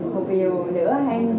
một điều nữa hay luôn nói đó là